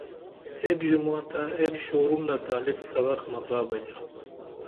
ایک ژوماتہ ایک شورنڈہ تالب سبخ مترا بئیتھا